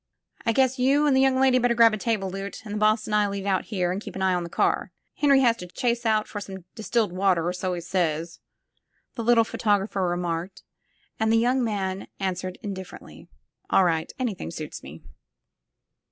'*I guess you and the young lady better grab a table, Loote, and the boss and I '11 eat out here and keep an eye on the car. Henry has to chase out for some distilled water — or so he says/' the little photographer remarked, and the young man answered indifferently : ''AH ri^ht. Anything suits me."